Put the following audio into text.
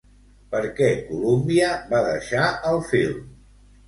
Per què Columbia va deixar el film?